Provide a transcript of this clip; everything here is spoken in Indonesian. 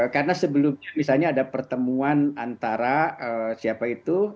karena sebelumnya misalnya ada pertemuan antara siapa itu